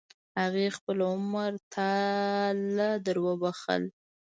هغې خپل عمر تا له دروبخل.